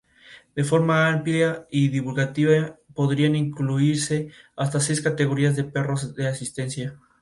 De forma amplia y divulgativa podrían incluirse hasta seis categorías de perros de asistencia.